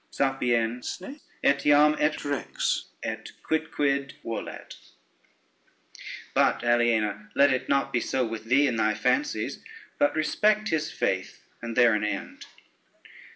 Sapiensne? Etiam et rex Et quicquid volet But, Aliena, let it not be so with thee in thy fancies, but respect his faith and there an end."